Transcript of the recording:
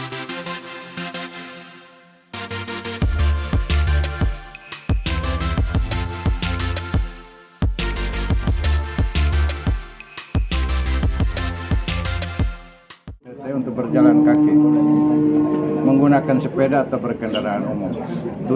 jalan jalan kaki enggak mau sehat sehat